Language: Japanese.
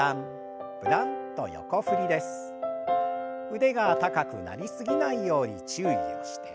腕が高くなりすぎないように注意をして。